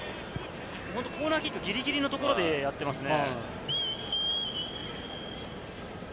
コーナーキックギリギリのところでやってますよね。